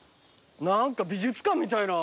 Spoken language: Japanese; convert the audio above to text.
何か美術館みたいな。